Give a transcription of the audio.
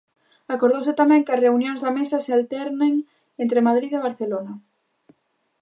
Acordouse tamén que as reunións da mesa se alternen entre Madrid e Barcelona.